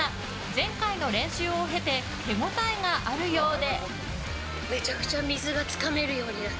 前回の練習を経て手応えがあるようで。